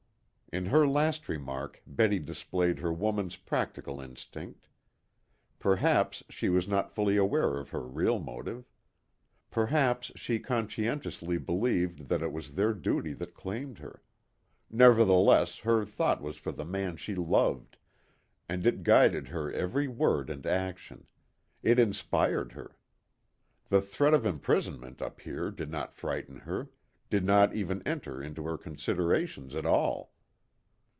In her last remark Betty displayed her woman's practical instinct. Perhaps she was not fully aware of her real motive. Perhaps she conscientiously believed that it was their duty that claimed her. Nevertheless her thought was for the man she loved, and it guided her every word and action; it inspired her. The threat of imprisonment up here did not frighten her, did not even enter into her considerations at all.